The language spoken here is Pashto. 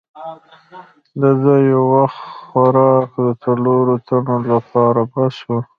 د ده یو وخت خوراک د څلورو تنو لپاره بس وو.